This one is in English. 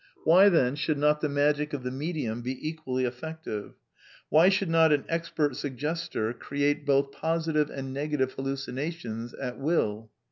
Why then should not the magic of the medium be equally effective ? Why should not an expert suggestor create both positive and negative hallucinations at will?